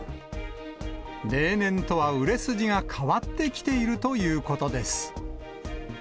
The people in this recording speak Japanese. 例年とは売れ筋が変わってきているということです。